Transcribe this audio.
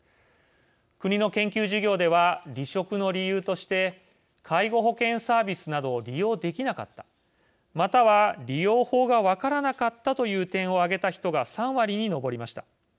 国の研究事業では離職の理由として介護保険サービスなどを利用できなかったまたは、利用法が分からなかったという点を挙げた人が３割に上りました。